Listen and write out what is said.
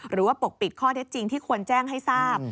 ปกปิดข้อเท็จจริงที่ควรแจ้งให้ทราบ